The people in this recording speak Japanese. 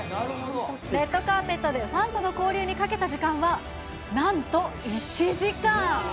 レッドカーペットでファンとの交流にかけた時間は、なんと１時間。